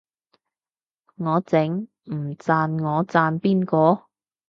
我整，唔讚我讚邊個